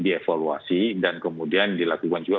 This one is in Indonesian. dievaluasi dan kemudian dilakukan juga